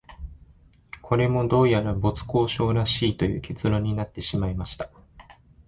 これも、どうやら没交渉らしいという結論になってしまいました